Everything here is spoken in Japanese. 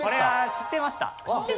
知ってました？